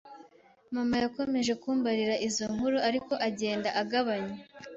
Mama yakomeje kumbarira izo nkuru, ariko agenda agabanya.